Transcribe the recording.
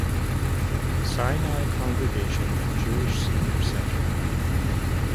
Sinai Congregation and Jewish Senior Center.